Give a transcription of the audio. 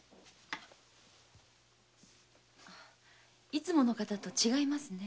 いつもの人と違いますね。